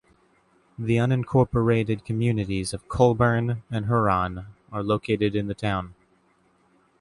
The unincorporated communities of Colburn and Huron are located in the town.